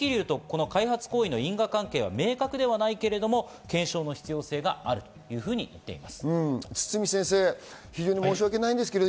県は土石流と開発行為の因果関係は明確ではないけども検証の必要性があると言っています。